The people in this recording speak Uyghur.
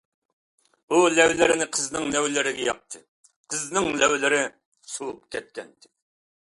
ئۇ لەۋلىرىنى قىزنىڭ لەۋلىرىگە ياقتى، قىزنىڭ لەۋلىرى سوۋۇپ كەتكەنىدى.